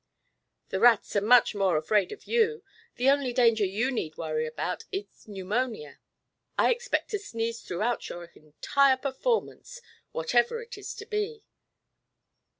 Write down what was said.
"The rats are much more afraid of you. The only danger you need worry about is pneumonia. I expect to sneeze throughout your entire performance whatever it is to be."